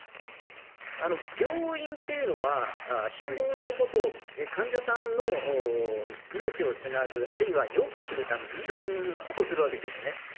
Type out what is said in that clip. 病院っていうのは、周辺のことを、患者さんの命をつなぐ、あるいはよくするために、いろんなことをするわけですね。